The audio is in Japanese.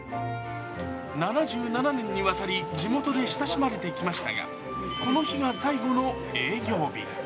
７７年にわたり、地元で親しまれてきましたが、この日が最後の営業日。